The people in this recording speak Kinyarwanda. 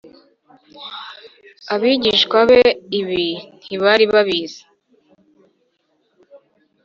Abigishwa be ibi ntibari babizi.